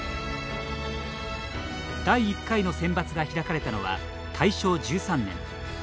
第１回のセンバツが開かれたのは大正１３年。